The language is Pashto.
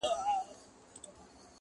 دا زړه بېړی به خامخا ډوبېږي.